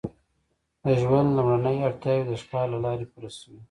د ژوند لومړنۍ اړتیاوې د ښکار له لارې پوره شوې.